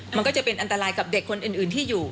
มันก็จะเป็นอันตรายกับเด็กคนอื่นที่อยู่